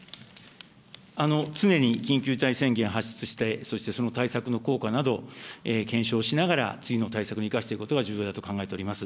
常に緊急事態宣言発出して、そしてその対策の効果など、検証しながら、次の対策に生かしていくことが重要だと考えております。